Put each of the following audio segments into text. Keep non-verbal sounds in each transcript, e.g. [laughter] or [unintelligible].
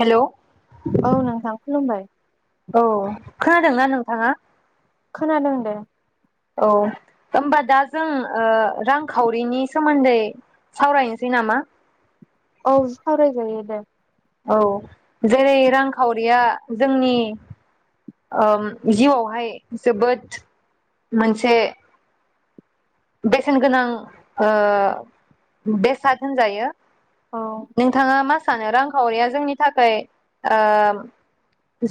Hello औ नोंथां खुलुमबाय औ खोनादोंना नोंथाङा खोनादों दे औ ओमबा दा जों ओ रांखावरिनि सोमोनदै सावरायनोसै नामा औ सावरायजायो दे औ जेरै रांखावरिया जोंनि जिउआवहाय जोबोद मोनसे बेसेन गोनां बेसाद होनजायो औ नोंथाङा मा सानो रांखावरिया जोंनि थाखाय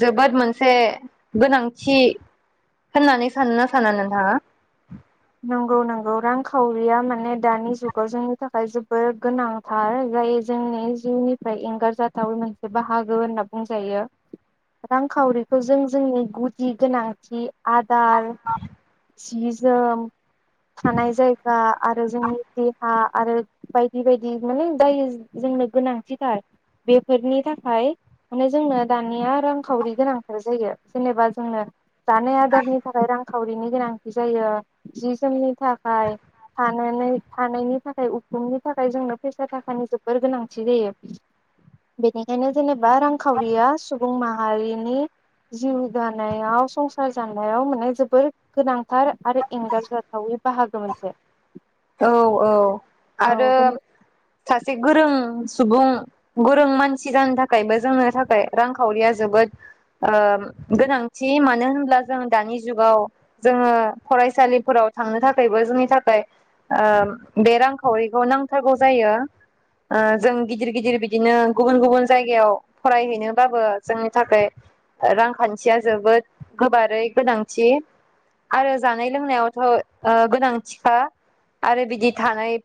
जोबोद मोनसे गोनांथि होननानै सानोना साना नोंथाङा? नंगौ नंगौ रांखावरिया माने दानि जुगाव जोंनि थाखाय जोबोद गोनांथार जाय जोंनि जिउनिफ्राय एंगारजाथावै मोनसे बाहागो होनना बुंजायो। रांखावरिखौ जों जोंनि गुदि गोनांथि आदार सि जोम थानाय जायगा आरो जोंनि देहा आरो बायदि बायदि माने जायनि जोंनो गोनांथिथार बेफोरनि थाखाय माने जोंनो दानिया रांखावरि गोनांथार जायो जेनेबा जोंनो जानाय आदारनि थाखाय रां खावरिनि गोनांथि जायो जि जोमनि थाखाय थानानै थानायनि थाखाय उखुमनि थाखाय जोंनो फैसा थाखानि जोबोर गोनांथि जायो बेनिखायनो जि-जोमनि थाखाय थानायनि थाखाय जेनेबा रांखावरिया सुबुं माहारिनि जिउ दानायाव संसार जानायाव माने जोबोर गोनांथार आरो एंगारजाथावै बाहागो मोनसे औ औ औ आरो बे सासे गोरों जों गोरों मानसि जानो थाखाय मोजां जानो थाखाय रांखावरिया जोबोद ओ गोनांथि मानो होनब्ला जों दानि जुगाव जोङो फरायसालिफोराव थांनो थाखायबो जोंनि थाखाय ओ बे रांखावरिखौ नांथारगौ जायो ओ जों गिदिर गिदिर बिदिनो गुबुन गुबुन जायगायाव ओ बे रां-खावरिखौ नांथारगौ जायो ओ जों गिदिर गिदिर बिदिनो गुबुन गुबुन जायगायाव फरायहैनो दाबाया जोंनि थाखाय रांखान्थिया जोबोद गोबारै गोनांथि आरो जानाय लोंनायावथ'ओ गोनांथिखा। आरो बिदि थानाय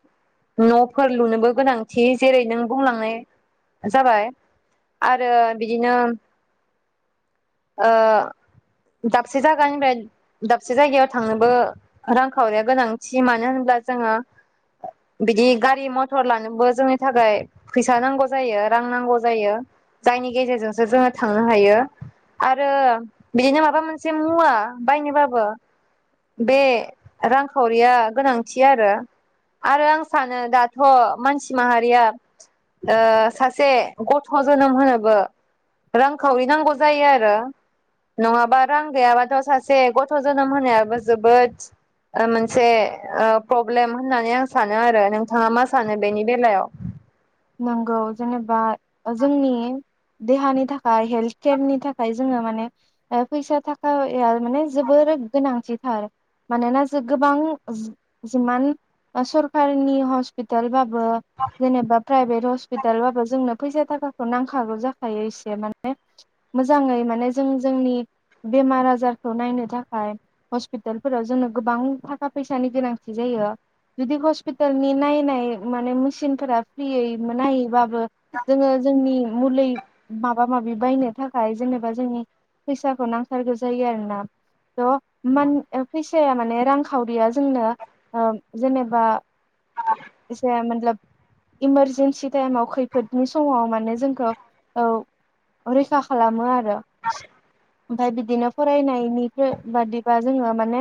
न'फोर लुनोबो गोनांथि जेरै नों बुंलांनाय जाबाय आरो बिदिनो ओ आरो बिदि थानाय न'फोर लुनोबो गोनांथि जेरै नों बुंलांनाय जाबाय आरो बिदिनो ओ दाबसे जायगानिफ्राय दाबसे जायगायाव थांनोबो रांखावरिया गोनांथि मानो होनब्ला जोङो बिदि गारि मथर लानोबो जोंनि थाखाय फैसा नांगौ जायो रां नांगौ जायो जायनि गेजेरजोंसो जों थांनो हायो आरो बिदिनो माबा मोनसे मुवा बायनोबाबो बे रांखावरिया गोनां । मिथियो आरो आरो आं सानो आरो सानो दाथ' मानसि माहारिया ओ सासे गथ' जोनोम होनोबो रांखावरि नांगौ जायो आरो नङाबा रां गैयाबाथ' सासे गथ' जोनोम होनायाबो जोबोद ओ मोनसे प्रब्लेम होननानै आं सानो आरो नोंथाङा मा सानो बेनि बेलायाव? नंगौ जेनेबा ओ जोंनि देहानि थाखाय हेल्थ केयारनि थाखाय जोङो माने फैसा थाखाया माने जोबोर गोनांथिथार मानोना ज गोबां जिमान सरकारनि हस्पिटाल बा बो जेनेबा प्राइभेट हस्पिटालबाबो जोंनो फैसा थाखाखौ नांखागौ जाखायो एसे माने मोजाङै माने जों जोंनि बेमार आजारखौ नायनो थ हस्पिटालफोराव जोंनो गोबां थाखा फैसानि गोनांथि जायो जुदि हस्पिटालनि नायनाय माने मेसिनफोरा फ्रियै नायैबाबो जोङो जोंनि मुलि माबा माबि बायनो थाखाय जेनेबा जोंनि फैसाखौ नांथारगौ जायो आरोना थ' इमान फैसाया माने रांखावरिया जोंनो जेनेबा एसे मतलब इमारजेन्सि टाइमाव खैफोदनि समाव माने जोंखौ औ रैखा खालामो आरो । र ओमफफ्राय बिदिनो फरायनायनि बादिबा जोङो माने ने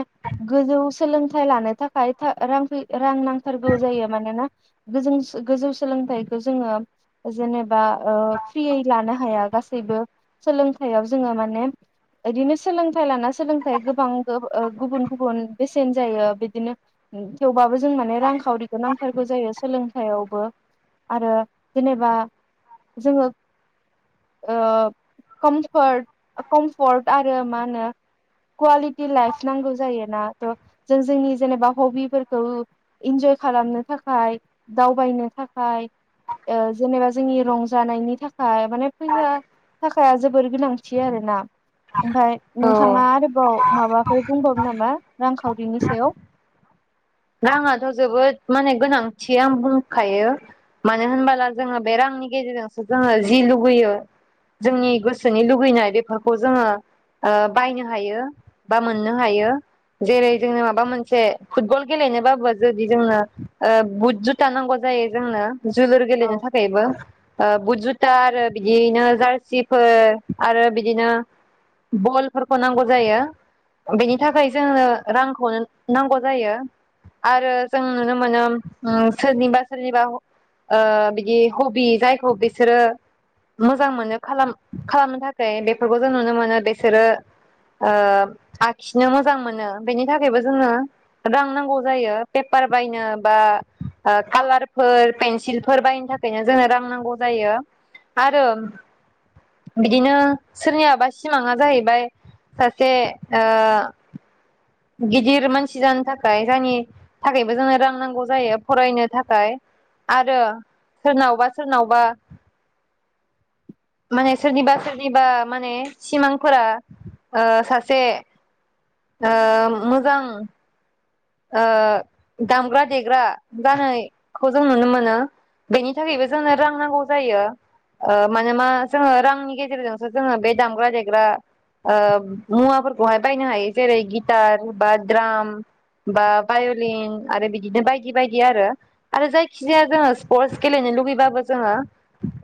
गोजौ सो सोलोंथाइ लानो थाखाय फा रां रां नांथारगौ जायो मानोना गोजोन सु गोजौ सोलोंथाइखौ जोङो जेनेबा बा ओ फ्रियै लानो हाया गासैबो सोलोंथाइयाव जोङो माने इदिनो सोलोंथाइ लाना सोलोंथाइ गोबां गुबुन गुबुन ओ बेसेन जायो बिदिनो थेवबाबो जों माने रांखावरिखौ नांथारगौ जायो सोंलों सायावबो आरो जेनेबा जोङो ओ कमफर्ट कमफर्ट आरो मा होनो कुवालिटि लाइफ नांगौ जायोना थ' जों जोंनि जेनेबा हबिफोरखौ इन्जय खालामनो थाखाय । दावबायनो थाखाय ओ जेनेबा जोंनि रंजानायनि थाखाय माने जोंनो था खाया जोबोर गोनांथि आरो ना। ओमफ्राय औ नोंथाङा आरोबाव माबाफोर बुंबानो नामा रां औ बिनि सायाव राङाथ' जोबोद माने गोनांथि आं बुंखायो मानो होनबोला जोङो बे रांनि गेजेरजोंसो जोङो जि लुगैयो जोंनि गोसोनि लुगैनाय बेफोरखौ जोङो ओ बायनो हायो बा मोननो हायो जेरै जोङो माबा मोनसे फुटबल गेलेनोबाबो जुदि जोंनो ओ बुट जुथा नांगौ जायो जोंनो जोलुर गेलेनो औ थाखायबो ओ बुट जुथा आरो बिदियैनो जारसिफोर आरो बिदिनो बलफोरखौ नांगौ जायो बेनि थाखाय जोंनो रांखौनो नांगौ जायो । आरो जों नुनो मोनो ओ सोरनिबा सोरनिबा ओ बिदि हबि जायखौ बिसोरो मोजां मोनो खालाम खालामनो थाखाय बेफोरखौ जों नुनो मोनो बिसोरो ओ आखिनो मोजां मोनो बेनि थाखायबो जोङो रां नांगौ । जायो पेपार बायनो बा ओ कालारफोर पेन्सिलफोर बायनो थाखायनो जोंनो रां नांगौ जायो आरो बिदिनो सोरनियाबा सिमाङा जाहैबाय सासे ओ गिदिर मानसि जानो थाखाय जायनि थाखायबो जोंनो रां नांगौ जायो फरायनो थाखाय आरो सोरनावबा सोरनावबा माने सोरनिबा सोरनिबा माने सिमांफोरा ओ सासे ओ मोजां ओ दामग्रा देग्रा जानायखौ जों नुनो मोनो बेनि थाखायबो जोंनो रां नांगौ जायो ओ माने मा जोङो रांनि गेजेरजोंसो जोङो बे दामग्रा देग्रा मुवाफोरखौहाय बायनो हायो जेरै गिटार बा द्राम । बा भाय'लिन आरो बिदिनो बायदि बायदि आरो आरो जायखिजाया जोङो स्पर्टस गेलेनो लुुबैबाबो जोङो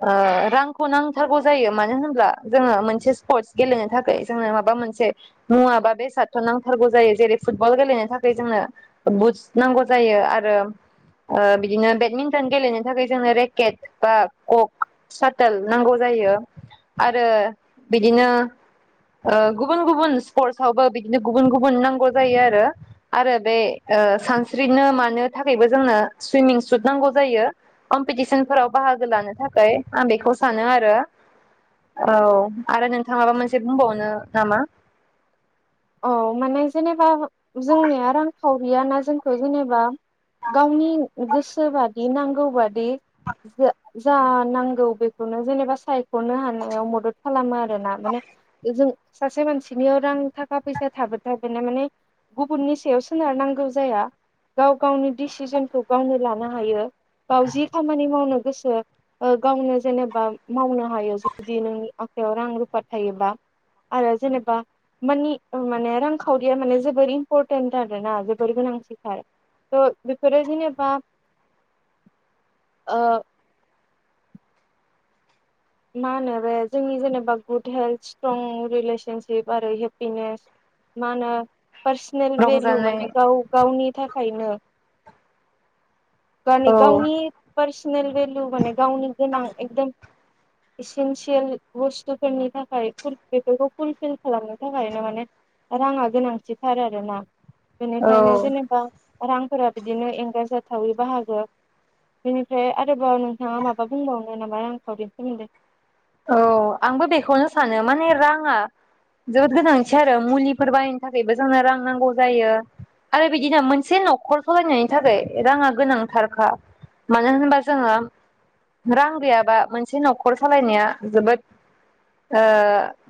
ओ रांखौ नांथारगौ जायो मानो होनब्ला जोङो मोनसे स्पर्टस गेलेनो थाखाय जोंनो माबा मोनसे मुवा बा बेसादथ' नांथारगौ जायो जेरै फुटबल गेलेनो था खाय जोंनो बुट्स नांगौ जायो आरो ओ बिदिनो बेडमिन्टन गेलेनो थाखाय जोंनो रेकेट बा कक सटोल नांगौ जायो आरो बिदिनो ओ गुबुन गुबुन स्पर्टसआवबो बिदिनो गुबुन गुबुन नांगौ जायो आरो। आरो बे ओ सानस्रिनो मानो थाखायबो जोंनो सुइमिं सुद नांगौ जायो कम्पिटिसनफोराव बाहागो लानो थाखाय आं बेखौ सानो आरो औ। आरो नोंथांङा माबा मोनसे बुंबावनो नामा? औ माने जेनेबा जोंनिया रांखावरिया ना जोंखौ जेनेबा गावनि गोसो बादि नांगौबादि जा नांगौ बेखौनो जेनेबा सायखनो हानायाव मदद खालामो आरो। [unintelligible] बे जों। सासे मानसिनियाव रां था थाखा फैसा थाबा थाय माने गुबुननि सायाव सोनारनांगौ जाया गाव गावनि डिसिजनखौ गावनो लानो हायो गाव जि खामानि मावनो गोसो गावनो जेनेबा मावनो हायो जुदि नोंनि आखायाव रां रुफा थायोबा आरो जेनेबा मानि। माने रांखावरिया माने जोबोर इम्परटेन्ट आरोना जोबोर गोनांथिथार थ बेफोरो जेनेबा ओ । मा होनो बे जोंनि जेनेबा गुड हेल्थ स्ट्रं रिलेसनसिप आरो हेपिनेस मा होनो। पार्सनेल भेलु रंजानाय माने गाव गावनि थाखायनो। माने औ गावनि पार्सनेल भेलु माने गावनि गोनां एकदम। एसेन्सियेल बुस्थुफोरनि थाखाय बेफोरखौ फुलफिल खालामनो थाखायनो माने राङा गोनांथिथार आरो ना। औ बेनिखायनो जेनेबा। रांफोरा बिदिनो एंगारजाथावै बाहागो बेनिफ्राय आरोबाव नोंथाङा माबा बुंबावनो नामा रांखावरि। जासिगोन दे। औ आंबो बेखौनो सानो माने राङा जोबोद गोनांथि आरो मुलिफोर बाहायनो थाखायबो जोंनो रां नांगौ जायो आरो बिदिनो मोनसे नखर सालायनायनि थाखाय राङा गोनांथारखा मानो होनबा जोङो रां गैयाबा मोनसे नखर सालायनाया। जोबोद ओ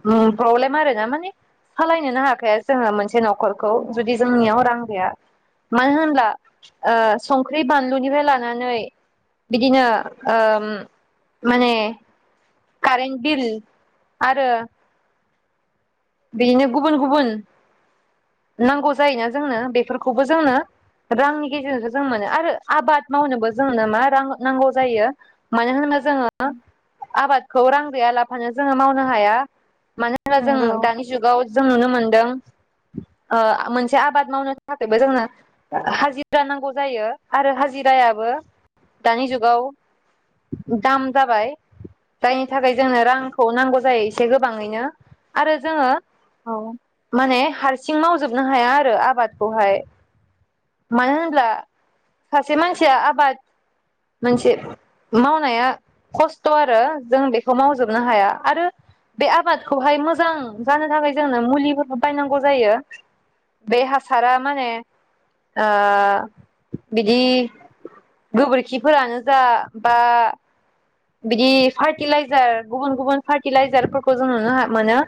ओम प्रब्लेम आरो ना माने सालायनोनो हाखाया जोङो मोनसे नखरखौ जुदि जोंनियाव रां गैया मानो होनब्ला ओ संख्रि बानलुनिफ्राय लानानै बिदिनो ओम माने। कारेन्ट बिल आरो। बिदिनो गुबुन गुबुन नांगौ जायोना जोंनो बेफोरखौबो जोंनो रांनि गेजेरजोंसो जों मोनो आरो आबाद मावनोबो जोंनो मा रां नांगौ जायो मानो होनोबा। जोङो आबाद। आबादखौ रां गैयालाबानो जोंङो मावनो हाया। मानो होनबा नंगौ जों। दानि जुगाव जों नुनो मोनदों मोनसे आबाद मावनो थाखायबो जोंनो हाजिरा नांगौ जायो आरो हाजिरायाबो दानि जुगाव दाम जाबाय जायनि थाखाय जोंनो रांखौ नांगौ जायो एसे गोबाङैनो आरो। जोंङो औ माने हाज हारसिं मावजोबनो हाया आरो आबादखौहाय मानो होनब्ला सासे मानसिया आबाद मोनसे मावनाया खस्थ' आरो जों बेखौ मावजोबनो हाया आरो बे आबादखौहाय मोजां जानो थाखाय जोंनो मुलिफोरखौ बायनांगौ जायो बे हासारा माने ओ‌ बेख दि गोबोरखिफोरानो जा बा बिदि फार्टिलाइजार गुबुन गुबुन फार्टिलाइजारफोरखौ जों नुनो मोनो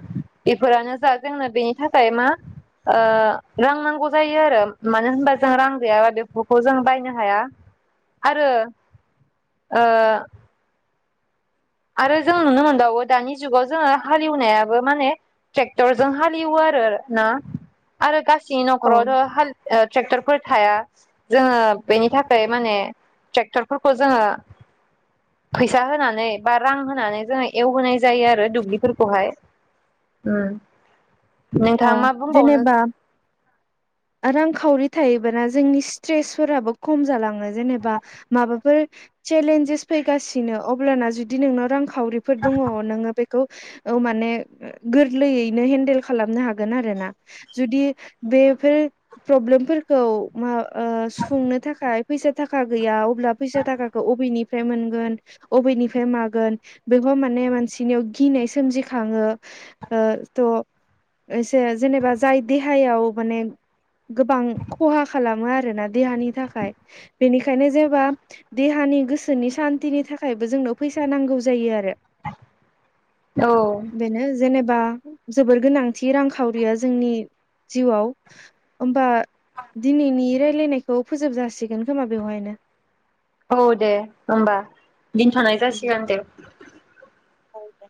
बेफोरानो जा जोंनो बेनि थाखाय मा ओ रां नांगौ जायो आरो मानो होनबा जों रां गैयाबा बेफोरखौ जों बायनो हाया आरो ओ आरो जों नुनो मोनबावो दानि जुगाव जोङो हालेवनायाबो माने ट्रेक्टरजों हालेवो आरो ना आरो गास सि औ नख'राव जो हाल ओ ट्रेक्टर फोर थाया जोङो बेनि थाखाय माने ट्रेक्टरफोरखौ जोङो फैसा होनानै बा रां होनानै जोङो एवहोनाय जायो आरो दुब्लिफोरखौहाय ओ अ जेनेबा रांखावरि थायोबाना जोंनि स्ट्रेसफोराबो खम जालाङो जेनेबा माबाफोर चेलेन्जेस फैगासिनो अब्लाना जुदि नोंनाव रां खाव खावरिफोर दङ नोंङो बेख खौ औ माने गोरलैयैनो हेन्देल खालामनो हागोन आरो ना जुदि बे फे प्रब्लेमफोरखौ मा ओ सुंनो थाखाय फैसा थाखा गैया अब्ला फैसा थाखाखौ अबेनिफ्राय मोनगोन अबेनिफ्राय मागोन बेखौ माने मानसिनियाव गिनाय सोमजिखाङो ओ थ' एसे जेनेबा जाय देहायाव माने गोबां खहा खालामो आरोना देहानि थाखाय बेनिखायनो जेबा देहानि गोसोनि सान्थिनि थाखायबो जोंनो फैसा नांगौ जायो आरो औ बेनो जेनेब बा जोबोर गोनांथि रांखावरिया जोंनि जिउआव। ओमबा दिनैनि रायलायनायखौ फोजोब जासिगोन खोमा बेवहायनो औ दे ओनबा दिनथ'नाय जासिगोन दे औ दे